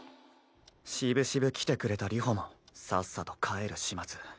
しぶしぶ来てくれた流星もさっさと帰る始末。